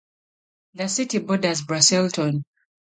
The city borders Braselton.